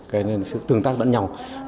cái tương tác vẫn nhau